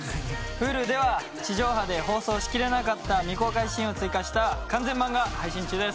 Ｈｕｌｕでは地上波で放送しきれなかった未公開シーンを追加した完全版が配信中です。